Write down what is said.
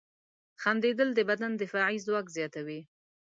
• خندېدل د بدن دفاعي ځواک زیاتوي.